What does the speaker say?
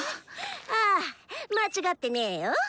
あぁ間違ってねーよ。